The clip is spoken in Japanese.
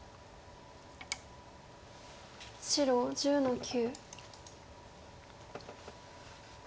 白１０の九。